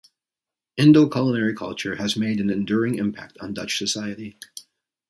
Indo culinary culture has made an enduring impact on Dutch society.